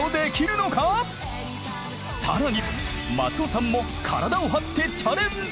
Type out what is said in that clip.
更に松尾さんも体を張ってチャレンジ！